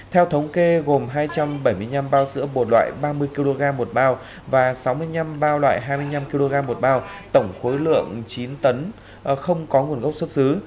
theo thống kê gồm hai trăm bảy mươi năm bao sữa bột loại ba mươi kg một bao và sáu mươi năm bao loại hai mươi năm kg một bao tổng khối lượng chín tấn không có nguồn gốc xuất xứ